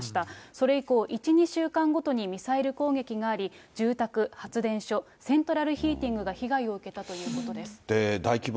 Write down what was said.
それ以降、１、２週間ごとにミサイル攻撃があり、住宅、発電所、セントラルヒーティングが被害を受けたということです。